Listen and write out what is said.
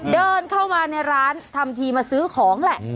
เดินเข้ามาในร้านทำทีมาซื้อของแหละ